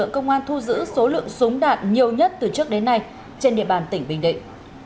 công an thu giữ số lượng súng đạn nhiều nhất từ trước đến nay trên địa bàn tỉnh bình định